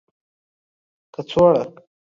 کڅوړه